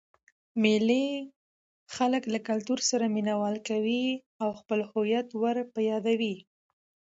مېلې خلک له کلتور سره مینه وال کوي او خپل هويت ور په يادوي.